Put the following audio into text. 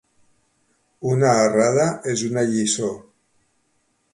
Una errada és una lliçó.